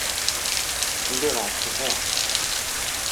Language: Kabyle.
Lliɣ ɛetbeɣ.